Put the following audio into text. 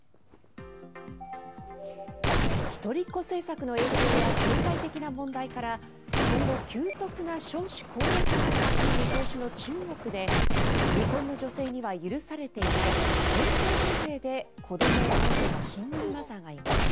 一人っ子政策の影響や経済的な問題から今後、急速な少子高齢化が進む見通しの中国で未婚の女性には許されていない人工授精で子どもをもうけたシングルマザーがいます。